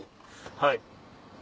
はい。